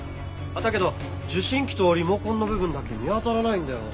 だけど受信機とリモコンの部分だけ見当たらないんだよ。